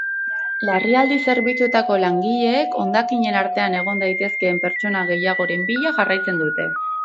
Larrialdi zerbitzuetako langileek hondakinen artean egon daitezkeen pertsona gehiagoren bila jarraitzen dute.